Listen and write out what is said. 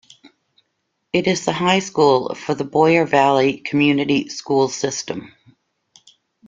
It is the high school for the Boyer Valley Community School system.